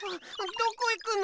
どこいくの？